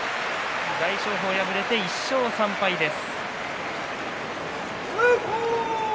大翔鵬、敗れて１勝３敗です。